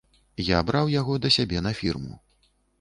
Я браў яго да сябе на фірму.